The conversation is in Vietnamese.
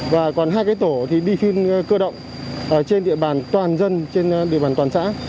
và còn hai tổ thì đi phiên cơ động trên địa bàn toàn dân trên địa bàn toàn xã